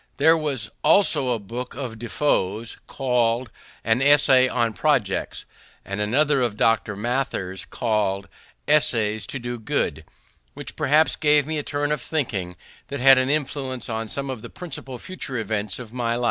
There was also a book of DeFoe's, called an Essay on Projects, and another of Dr. Mather's, called Essays to do Good, which perhaps gave me a turn of thinking that had an influence on some of the principal future events of my life.